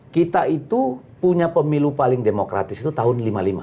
kita itu punya pemilu paling demokratis itu tahun lima puluh lima